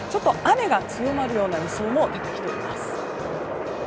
雨が強まるような予想も出てきています。